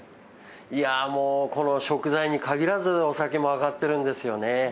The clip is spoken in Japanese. いやー、もう、この食材に限らずお酒も上がってるんですよね。